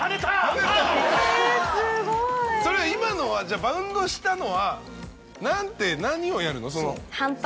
それ今のはバウンドしたのは何をやるの？